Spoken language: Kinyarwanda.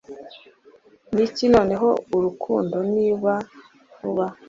Niki noneho urukundo niba vuba